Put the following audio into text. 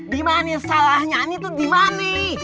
dimana salahnya ini tuh gimana